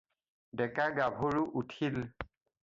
ডেকা-গাভৰু উঠিল